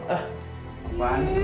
eh kemahan sih